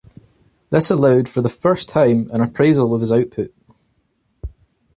This allowed for the first time an appraisal of his output.